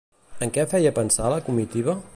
En què feia pensar la comitiva?